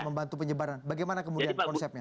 membantu penyebaran bagaimana kemudian konsepnya